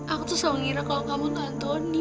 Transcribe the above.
aku tuh selalu ngira kalau kamu tuh antoni